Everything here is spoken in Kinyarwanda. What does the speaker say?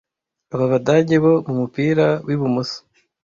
aba badage bo mumupira w ibumoso